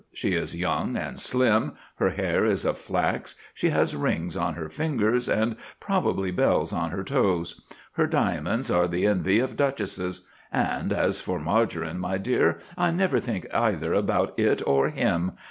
She is young and slim; her hair is of flax; she has rings on her fingers, and probably bells on her toes; her diamonds are the envy of duchesses; "and as for Margarine, my dear, I never think either about it or him.